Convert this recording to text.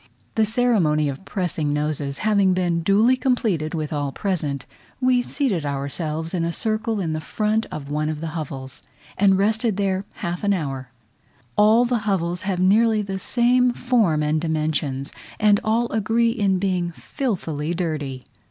The ceremony of pressing noses having been duly completed with all present, we seated ourselves in a circle in the front of one of the hovels, and rested there half an hour. All the hovels have nearly the same form and dimensions, and all agree in being filthily dirty.